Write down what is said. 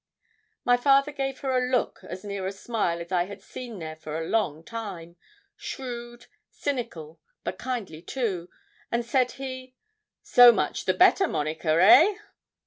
My father gave her a look as near a smile as I had seen there for a long time, shrewd, cynical, but kindly too, and said he 'So much the better, Monica, eh?'